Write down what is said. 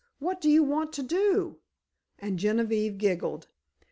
What do you want to do?" and Genevieve giggled.